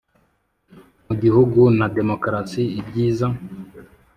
Mu gihugu na demokarasi ibyiza